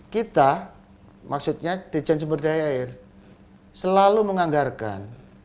kita maksudnya dijen sumber daya air selalu menganggarkan